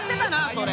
それ。